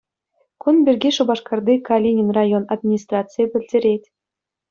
Кун пирки Шупашкарти Калинин район администрацийӗ пӗлтерет.